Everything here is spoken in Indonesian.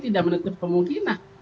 tidak menutup kemungkinan